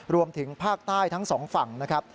รวมถึงภาคใต้ทั้งสองฝั่งนะครับ